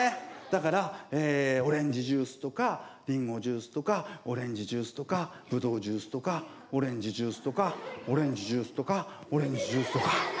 だからオレンジジュースとかリンゴジュースとかオレンジジュースとかブドウジュースとかオレンジジュースとかオレンジジュースとかオレンジジュースとか。